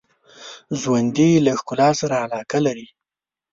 ژوندي له ښکلا سره علاقه لري